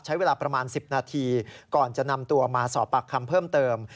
ใช้เวลาประมาณ๑๐นาทีก่อนจะนำตัวมาสอบปากคำเพิ่มเติม